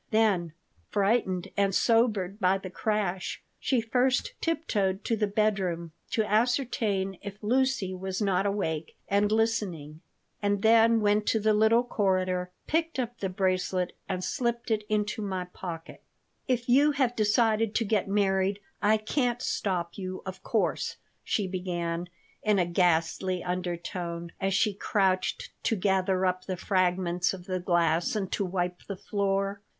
Then, frightened and sobered by the crash, she first tiptoed to the bedroom to ascertain if Lucy was not awake and listening, and then went to the little corridor, picked up the bracelet and slipped it into my pocket "If you have decided to get married, I can't stop you, of course," she began, in a ghastly undertone, as she crouched to gather up the fragments of the glass and to wipe the floor.